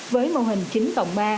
với mô hình chín tổng ba